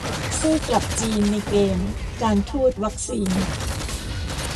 สู้กลับจีนในเกม "การทูตวัคซีน"